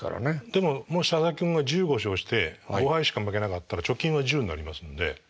でももし佐々木君が１５勝して５敗しか負けなかったら貯金は１０になりますんで。